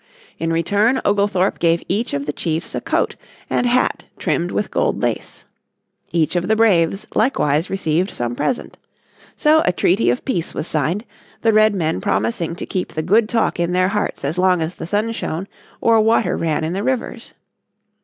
In return Oglethorpe gave each of the chiefs a coat and hat trimmed with gold lace. Each of the braves likewise received some present. So a treaty of peace was signed, the Redmen promising to keep the good talk in their hearts as long as the sun shone, or water ran in the rivers.